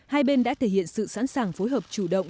hai bên đã thể hiện sự sẵn sàng phối hợp chủ động